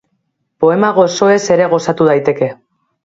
Poema gozoez ere gozatu daiteke.